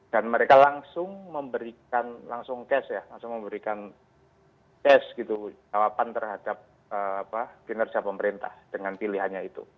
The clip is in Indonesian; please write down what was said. dan mereka langsung memberikan langsung kes ya langsung memberikan kes gitu jawaban terhadap kinerja pemerintah dengan pilihannya itu